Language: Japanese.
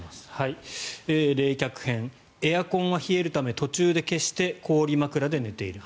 冷却編、エアコンは冷えるため途中で消して氷枕で寝ている。